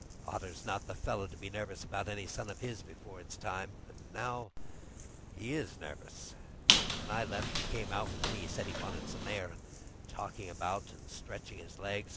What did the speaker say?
Otter's not the fellow to be nervous about any son of his before it's time. And now he is nervous. When I left, he came out with me—said he wanted some air, and talked about stretching his legs.